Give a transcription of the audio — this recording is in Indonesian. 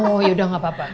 oh ya udah gak apa apa